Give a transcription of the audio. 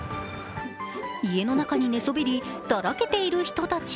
家の中に寝そべりだらけている人たち。